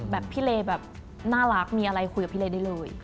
พี่เลแบบน่ารักมีอะไรคุยกับพี่เลได้เลย